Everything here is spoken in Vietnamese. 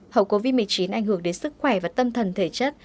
hậu covid một mươi chín ảnh hưởng đến sức khỏe và tâm thần thể chất